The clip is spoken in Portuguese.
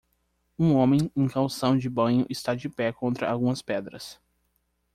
Um homem em calção de banho está de pé contra algumas pedras.